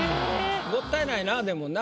もったいないなでもな。